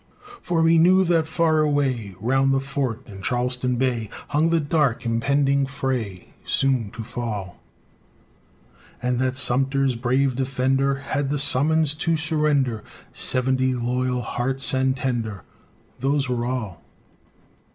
For we knew that far away, Round the fort in Charleston Bay, Hung the dark impending fray, Soon to fall; And that Sumter's brave defender Had the summons to surrender Seventy loyal hearts and tender (Those were all!)